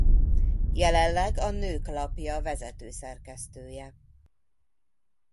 Jelenleg a Nők Lapja vezető szerkesztője.